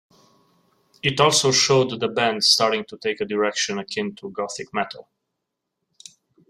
It also showed the band starting to take a direction akin to Gothic metal.